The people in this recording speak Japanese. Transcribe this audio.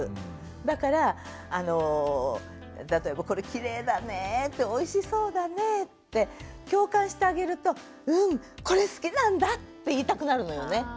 だから例えば「これきれいだね」って「おいしそうだね」って共感してあげると「うんこれ好きなんだ」って言いたくなるのよね。